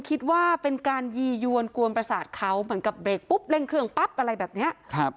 กวนผลประสาทเขามันกับเรเลยเครื่องปั๊บอะไรแบบนี้